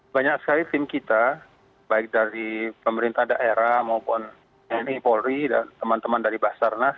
banyak sekali tim kita baik dari pemerintah daerah maupun tni polri dan teman teman dari basarnas